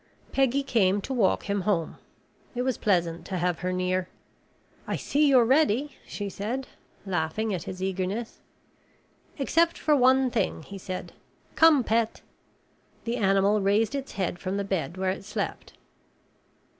Peggy came to walk him home. It was pleasant to have her near. "I see you're ready," she said, laughing at his eagerness. "Except for one thing," he said. "Come, Pet." The animal raised its head from the bed where it slept.